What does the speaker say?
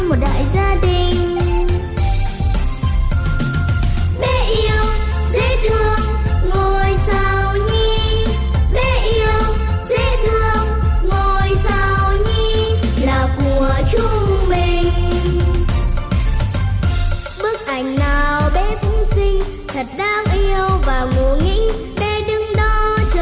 giấc đông của béius